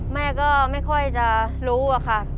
แม่ก็ไม่ค่อยจะรู้อะค่ะ